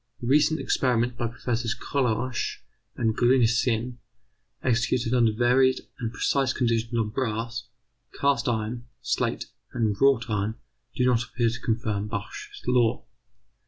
Recent experiments by Professors Kohlrausch and Gruncisen, executed under varied and precise conditions on brass, cast iron, slate, and wrought iron, do not appear to confirm Bach's law.